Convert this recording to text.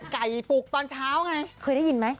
ปลูกตอนเช้าไงเคยได้ยินไหม